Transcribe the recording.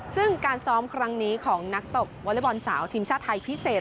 ซึ่งการซ้อมครั้งนี้ของนักตบวอเล็กบอลสาวทีมชาติไทยพิเศษ